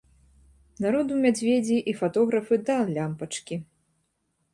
Народу мядзведзі і фатографы да лямпачкі.